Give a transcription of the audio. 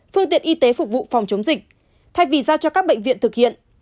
phương tiện y tế phục vụ phòng chống dịch thay vì giao cho các bệnh viện thực hiện